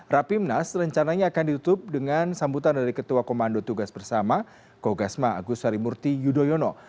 rapimnas rencananya akan ditutup dengan sambutan dari ketua komando tugas bersama kogasma agus harimurti yudhoyono